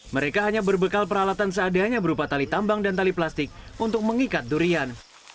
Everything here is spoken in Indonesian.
mereka hanya berbekal peralatan seadanya berupa tali tambang dan tali plastik untuk mengikat durian